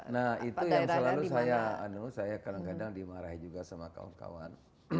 nah itu yang selalu saya kadang kadang dimarahi juga sama kawan kawan